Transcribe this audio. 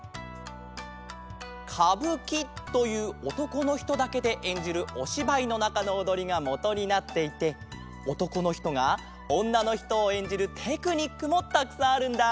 かぶきというおとこのひとだけでえんじるおしばいのなかのおどりがもとになっていておとこのひとがおんなのひとをえんじるテクニックもたくさんあるんだ！